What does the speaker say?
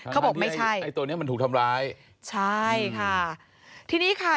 เขาบอกไม่ใช่ไอ้ตัวเนี้ยมันถูกทำร้ายใช่ค่ะทีนี้ค่ะ